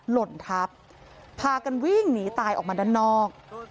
หล่นทับพากันวิ่งหนีตายออกมาด้านนอก